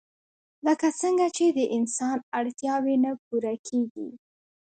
لکه څنګه چې د انسان اړتياوې نه پوره کيږي